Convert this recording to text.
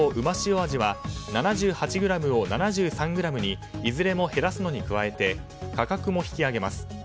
お味は７８ｇを７３ｇにいずれも減らすのに加え価格も引き上げます。